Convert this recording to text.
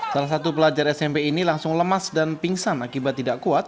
salah satu pelajar smp ini langsung lemas dan pingsan akibat tidak kuat